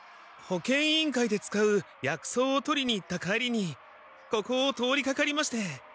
保健委員会で使う薬草を取りに行った帰りにここを通りかかりまして。